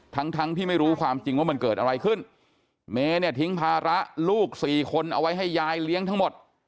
ทั้งทั้งที่ไม่รู้ความจริงว่ามันเกิดอะไรขึ้นเมย์เนี่ยทิ้งภาระลูกสี่คนเอาไว้ให้ยายเลี้ยงทั้งหมด